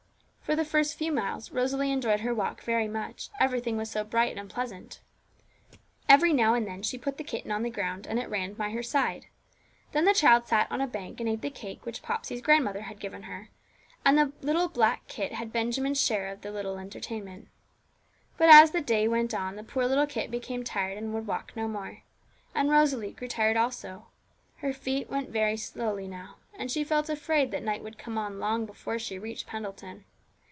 For the first few miles Rosalie enjoyed her walk very much, everything was so bright and pleasant. Every now and then she put the kitten on the ground, and it ran by her side. Then the child sat on a bank and ate the cake which Popsey's grandmother had given her. And the little black kit had Benjamin's share of the little entertainment. But as the day went on the poor little kit became tired, and would walk no more; and Rosalie grew tired also. Her feet went very slowly now, and she felt afraid that night would come on long before she reached Pendleton.